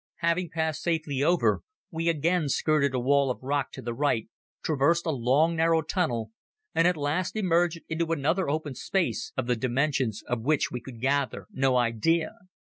Having passed safely over we again skirted a wall of rock to the right, traversed a long, narrow tunnel and at last emerged into another open space, of the dimensions of which we could gather no idea.